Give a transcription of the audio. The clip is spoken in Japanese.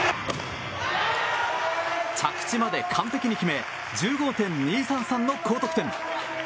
着地まで完璧に決め１５．２３３の高得点。